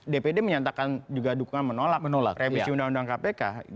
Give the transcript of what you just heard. dpd menyatakan juga dukungan menolak revisi undang undang kpk